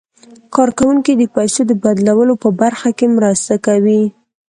کارکوونکي د پيسو د بدلولو په برخه کې مرسته کوي.